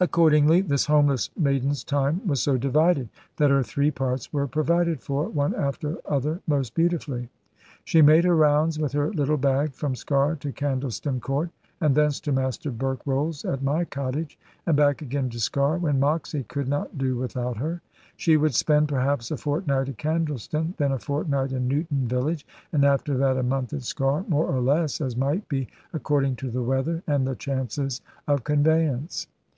Accordingly this homeless maiden's time was so divided, that her three parts were provided for, one after other, most beautifully. She made her rounds, with her little bag, from Sker to Candleston Court, and thence to Master Berkrolles at my cottage, and back again to Sker, when Moxy could not do without her. She would spend, perhaps, a fortnight at Candleston, then a fortnight in Newton village, and after that a month at Sker, more or less, as might be, according to the weather and the chances of conveyance.